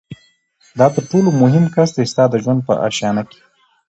دا تر ټولو مهم کس دی ستا د ژوند په آشیانه کي